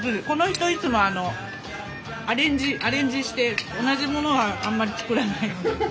この人いつもアレンジして同じものはあんまり作らないので。